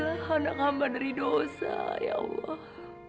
jauhilah anak mu dari dosa ya allah